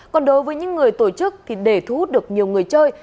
còn đối với những người tổ chức thì để thú được nhiều người chơi